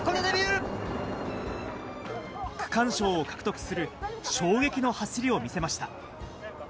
区間賞を獲得する衝撃の走りを見せました。